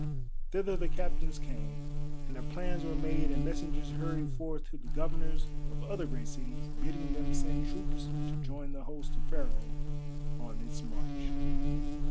Thither the captains came, and their plans were made and messengers hurried forth to the governors of other great cities, bidding them send troops to join the host of Pharaoh on its march.